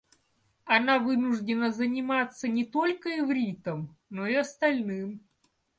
Она вынуждена заниматься не только ивритом, но и остальным.